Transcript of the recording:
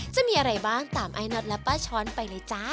จะมีอะไรบ้างตามไอ้น็อตและป้าช้อนไปเลยจ้า